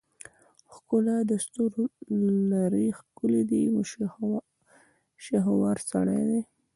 ښکلا دستورولري ښکلی دی شهوار سړی دی